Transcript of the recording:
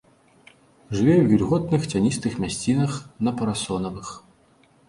Жыве ў вільготных цяністых мясцінах на парасонавых.